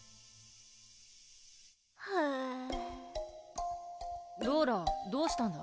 はぁローラどうしたんだ？